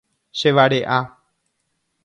Chevare'a.